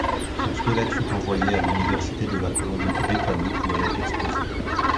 Son squelette fut envoyé à l'université de la Colombie Britannique, où elle est exposée.